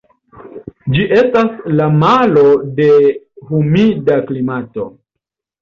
Ĝi estas la malo de humida klimato.